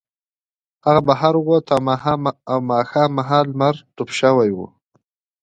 هغه بهر ووت او ماښام مهال لمر ډوب شوی و